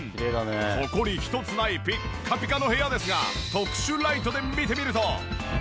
ホコリ１つないピッカピカの部屋ですが特殊ライトで見てみると。